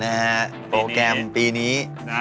นะฮะโปรแกรมปีนี้